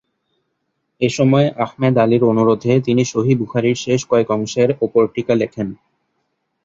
এসময় আহমেদ আলির অনুরোধে তিনি সহিহ বুখারীর শেষ কয়েক অংশের উপর টীকা লেখেন।